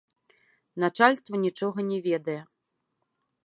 Начальства нічога не ведае.